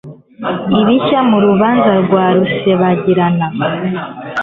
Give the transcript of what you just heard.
Ibishya mu rubanza rwa Rusesabagina